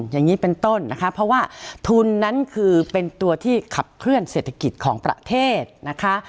อย่างนี้เป็นต้นนะคะเพราะว่าทุนนั้นคือเป็นตัวที่ขับเคลื่อนเศรษฐกิจของประเทศนะคะ